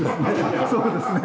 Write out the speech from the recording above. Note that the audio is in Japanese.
そうですね。